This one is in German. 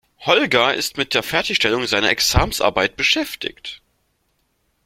Holger ist mit der Fertigstellung seiner Examensarbeit beschäftigt.